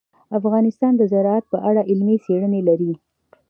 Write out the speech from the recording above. افغانستان د زراعت په اړه علمي څېړنې لري.